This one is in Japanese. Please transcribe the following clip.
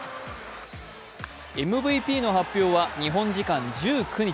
ＭＶＰの発表は日本時間１９日。